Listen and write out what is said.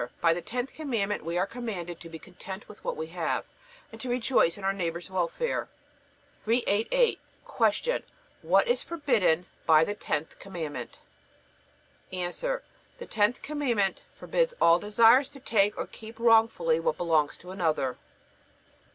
By the tenth Commandment we are commanded to be content with what we have, and to rejoice in our neighbor's welfare. 388. Q. What is forbidden by the tenth Commandment? A. The tenth Commandment forbids all desires to take or keep wrongfully what belongs to another.